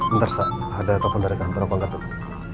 entar saya ada telepon dari kantor aku angkat dulu